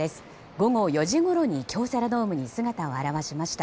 午後４時ごろに京セラドームに姿を現しました。